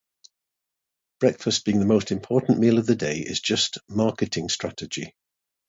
Breakfast being the most important meal of the day is just a marketing strategy.